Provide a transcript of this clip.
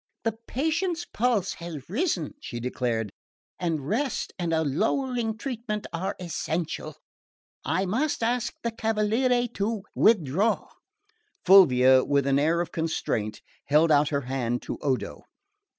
"The patient's pulse has risen," she declared, "and rest and a lowering treatment are essential. I must ask the cavaliere to withdraw." Fulvia, with an air of constraint, held out her hand to Odo.